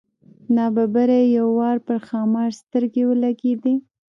نا ببره یې یو وار پر ښامار سترګې ولګېدې.